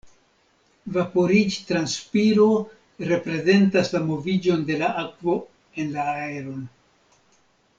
Vaporiĝ-transpiro reprezentas la moviĝon de la akvo en la aeron.